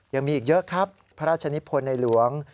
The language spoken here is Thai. ยังมีอีกเยอะครับพระราชนิพลในหลวง